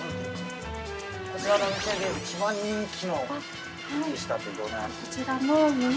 ◆こちらのお店で、一番人気の靴下って、どんな？